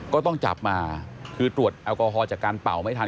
ก็ต้องจับมาคือตรวจแอลกอฮอลจากการเป่าไม่ทัน